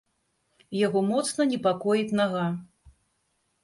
Яго моцна непакоіць нага.